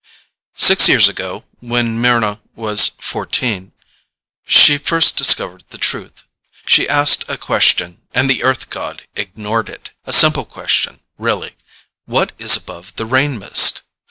Six years ago, when Mryna was fourteen, she first discovered the truth. She asked a question and the Earth god ignored it. A simple question, really: What is above the rain mist?